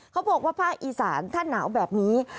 เขาบอกว่าภาคอีสานถ้าหนาวแบบนี้